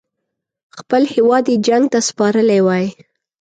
خپل هیواد یې جنګ ته سپارلی وای.